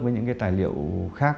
với những tài liệu khác